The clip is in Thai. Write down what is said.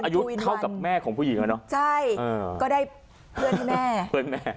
อายุเท่ากับแม่ของผู้หญิงอ่ะเนอะใช่ก็ได้เพื่อนให้แม่เพื่อนแม่